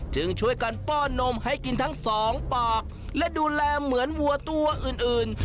จึงช่วยกันป้อนนมให้กินทั้งสองปากและดูแลเหมือนวัวตัวอื่น